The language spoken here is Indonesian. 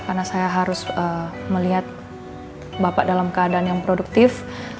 karena saya harus melihat bapak dalam keadaan yang produktif